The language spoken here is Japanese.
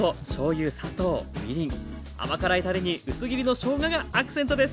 甘辛いたれに薄切りのしょうががアクセントです。